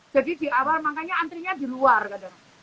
jadi di awal makanya antrinya di luar kadang